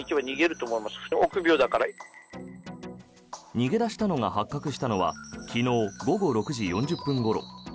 逃げ出したのが発覚したのは昨日午後６時４０分ごろ。